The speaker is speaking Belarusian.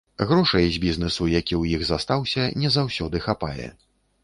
Грошай з бізнэсу, які ў іх застаўся, не заўсёды хапае.